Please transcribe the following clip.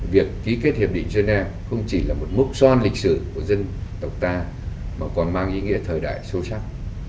việc ký kết hiệp định geneva không chỉ là một mốc son lịch sử của dân tộc ta mà còn mang ý nghĩa thời đại sâu sắc